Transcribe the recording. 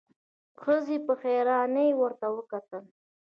ښځې په حيرانی ورته وکتل.